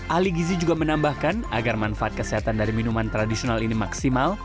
ali gizi juga menambahkan agar manfaat kesehatan dari minuman tradisional ini maksimal